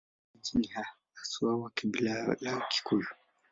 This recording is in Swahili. Wenyeji ni haswa wa kabila la Wakikuyu.